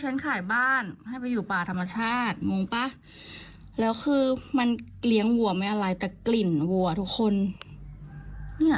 ย้ายเข้าไปอยู่ป่าแบบนี้ไม่ได้